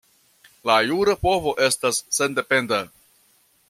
La jura povo estas sendependa.